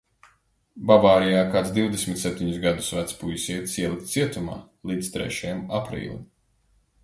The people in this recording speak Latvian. Bavārijā kāds divdesmit septiņus gadus vecs puisietis ielikts cietumā – līdz trešajam aprīlim.